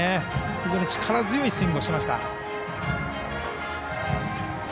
非常に力強いスイングをしました。